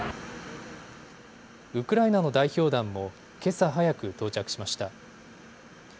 ウクライナの代表団もけさ早く到着しました。